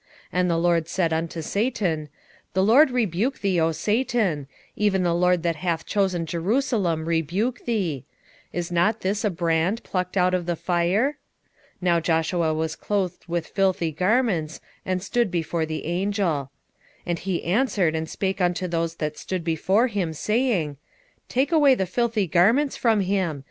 3:2 And the LORD said unto Satan, The LORD rebuke thee, O Satan; even the LORD that hath chosen Jerusalem rebuke thee: is not this a brand plucked out of the fire? 3:3 Now Joshua was clothed with filthy garments, and stood before the angel. 3:4 And he answered and spake unto those that stood before him, saying, Take away the filthy garments from him.